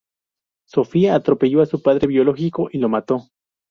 Sofía atropelló a su padre biológico y lo mató.